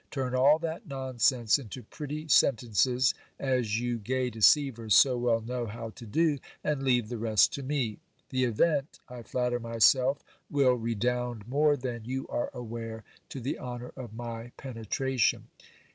Turn all that nonsense into pretty sentences, as you gay deceivers so well know how to do, and leave the rest to me. The event, I flatter myself, will redound more than you are aware to the honour of m 7 penetration.